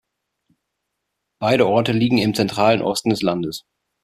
Beide Orte liegen im zentralen Osten des Landes.